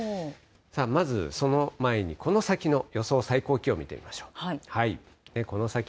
まず、その前にこの先の予想最高気温見てみましょう。